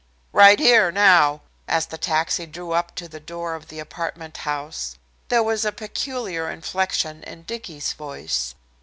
"Right here now," as the taxi drew up to the door of the apartment house. There was a peculiar inflection in Dicky's voice.